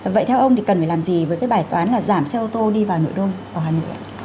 vậy theo ông thì cần phải làm gì với cái bài toán là giảm xe ô tô đi vào nội đô vào hà nội